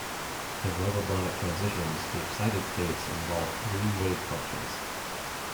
In rovibronic transitions, the excited states involve three wave functions.